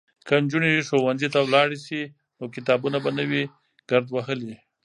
که نجونې ښوونځي ته لاړې شي نو کتابونه به نه وي ګرد وهلي.